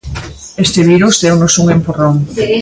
Este virus deunos un empurrón.